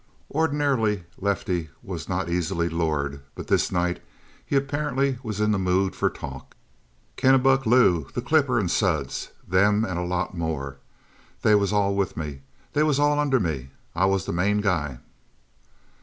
Ordinarily, Lefty was not easily lured, but this night he apparently was in the mood for talk. "Kennebec Lou, the Clipper, and Suds. Them and a lot more. They was all with me; they was all under me; I was the Main Guy!"